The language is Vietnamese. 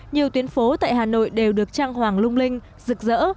nhiều tuyến phố tại hà nội đều được trang hoàng lung linh rực rỡ